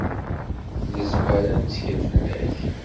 Nezmer ad nettkel fell-ak.